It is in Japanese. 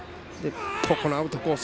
ここのアウトコース